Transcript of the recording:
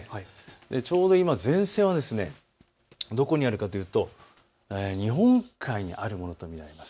ちょうど今、前線はどこにあるかというと日本海にあるものと見られます。